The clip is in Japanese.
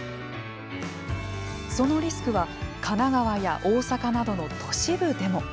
そのリスクは神奈川や大阪などの都市部でも。